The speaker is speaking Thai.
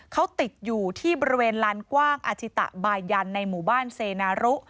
เขาติดอยู่ที่บริเวณลานกว้างอาชิตะบายันในหมู่บ้านเซนารุ